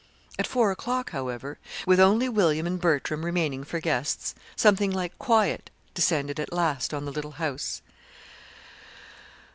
At four o'clock, however, with only William and Bertram remaining for guests, something like quiet descended at last on the little house.